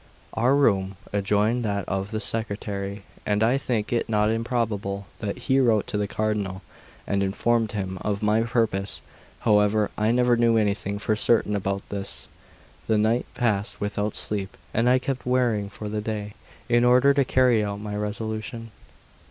Our room adjoined that of the secretary; and I think it not improbable that he wrote to the Cardinal, and informed him of my purpose. However, I never knew anything for certain about this. The night passed without sleep, and I kept wearying for the day, in order to carry out my resolution.